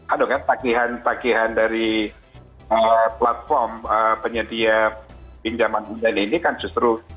aduh kan tagihan tagihan dari platform penyedia pinjaman online ini kan justru